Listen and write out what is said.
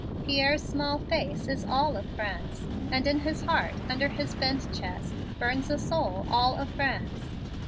Pierre's small face is all of France and in his heart under his bent chest burns a soul all of France.